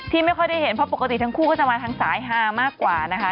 ไม่ค่อยได้เห็นเพราะปกติทั้งคู่ก็จะมาทางสายฮามากกว่านะคะ